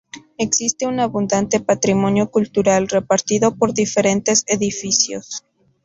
Existe un abundante patrimonio cultural repartido por diferentes edificios.